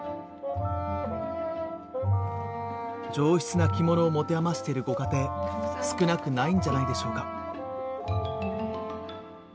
上質な着物を持て余しているご家庭少なくないんじゃないでしょうか？